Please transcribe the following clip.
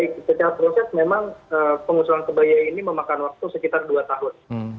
ya baik setiap proses memang pengusulan kebaya ini memakan waktu sekitar dua tahun